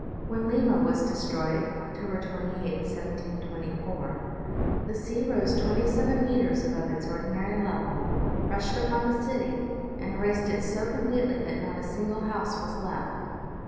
When Ivima was destroyed, October 28, 1724, the sea rose twenty seven meters above its ordinary level, rushed upon the city and erased it so completely that not a single house was left.